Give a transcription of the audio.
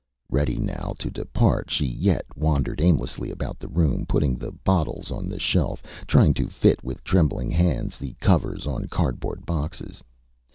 Â Ready now to depart, she yet wandered aimlessly about the room, putting the bottles on the shelf, trying to fit with trembling hands the covers on cardboard boxes.